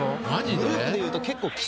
グループでいうと結構。